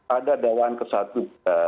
ada dawaan ke satu